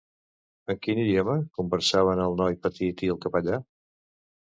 En quin idioma conversaven el noi petit i el capellà?